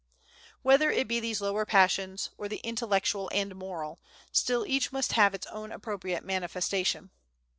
Whether it be these lower passions, or the intellectual and moral, still each must have its own appropriate manifestation.